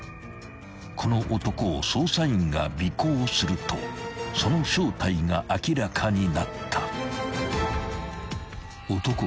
［この男を捜査員が尾行するとその正体が明らかになった］